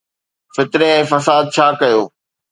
فتني ۽ فساد ڇا ڪيو.